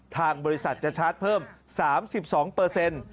ทางบริษัทจะชาร์จเพิ่ม๓๒เปอร์เซ็นต์